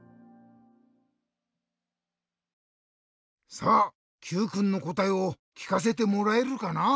さあＱくんのこたえをきかせてもらえるかな？